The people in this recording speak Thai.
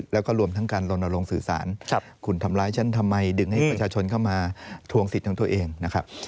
แล้วก็รวมทั้งการลนลงสื่อสารคุณทำร้ายฉันทำไมดึงให้ประชาชนเข้ามาทวงสิทธิ์ของตัวเองนะครับ